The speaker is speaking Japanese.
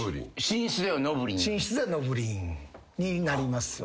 寝室では「のぶりん」になりますよね。